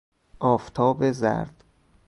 آفتاب زرد